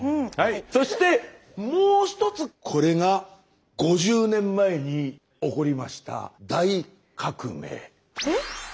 そしてもう一つこれが５０年前に起こりました大革命。